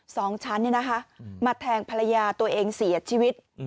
สองชั้นมาแทงภรรยาตัวเองเสียชีวิต